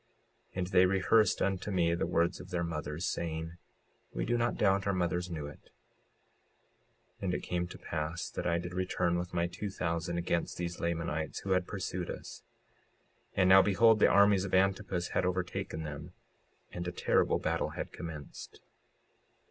56:48 And they rehearsed unto me the words of their mothers, saying: We do not doubt our mothers knew it. 56:49 And it came to pass that I did return with my two thousand against these Lamanites who had pursued us. And now behold, the armies of Antipus had overtaken them, and a terrible battle had commenced.